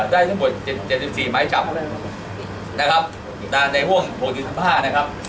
ได้ทั้งหมดเจ็บเจ็บสิบสี่ไม้จับนะครับในห้วงหกสิบสิบห้านะครับ